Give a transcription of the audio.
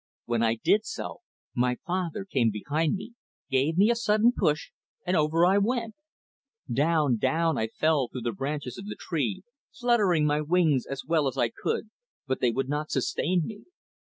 When I did so, my father came behind me, gave me a sudden push, and over I went. Down, down I fell, through the branches of the tree, fluttering my wings as well as I could, but they would not sustain me.